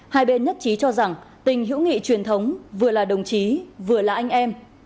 hai bên nhất trí cho rằng tình hữu nghị truyền thống vừa là đồng chí vừa là anh em